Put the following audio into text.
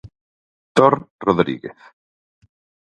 Tor Rodríguez.